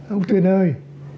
ông tuyên ơi